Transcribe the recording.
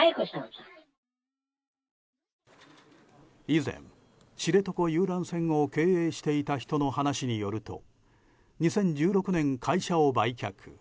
以前、知床遊覧船を経営していた人の話によると２０１６年、会社を売却。